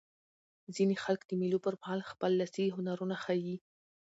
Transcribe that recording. ځیني خلک د مېلو پر مهال خپل لاسي هنرونه ښيي.